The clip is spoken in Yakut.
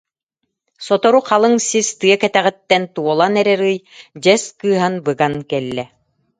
Сотору халыҥ сис тыа кэтэҕиттэн туолан эрэр ый дьэс кыыһан быган кэллэ